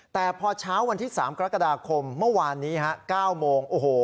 แต่พอเช้าวันที่๓กรกฎาคมเมื่อวานนี้๙โมง